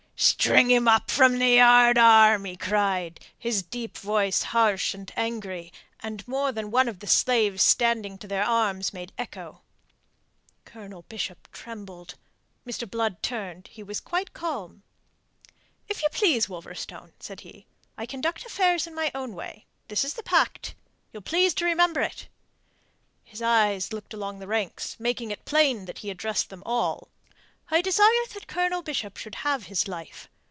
"String him up from the yardarm," he cried, his deep voice harsh and angry, and more than one of the slaves standing to their arms made echo. Colonel Bishop trembled. Mr. Blood turned. He was quite calm. "If you please, Wolverstone," said he, "I conduct affairs in my own way. That is the pact. You'll please to remember it." His eyes looked along the ranks, making it plain that he addressed them all. "I desire that Colonel Bishop should have his life.